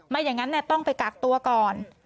อย่างนั้นต้องไปกักตัวก่อน